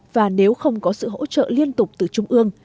và nếu không có sự hỗ trợ liên tục từ trung ương